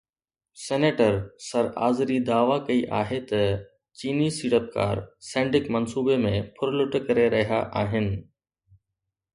senator سر آذري دعويٰ ڪئي آهي ته چيني سيڙپڪار سينڊڪ منصوبي ۾ ڦرلٽ ڪري رهيا آهن